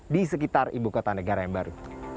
di sekitar ibu kota negara yang baru